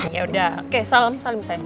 ya udah oke salam salim say